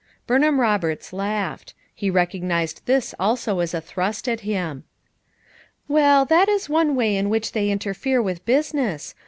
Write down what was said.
Burnham Roberts laughed; he recognized this also as a thrust at him. "Well, that is one way in which they inter fere with business.